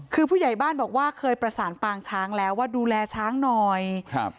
คือผู้ใหญ่บ้านบอกว่าเคยประสานปางช้างแล้วว่าดูแลช้างหน่อยครับ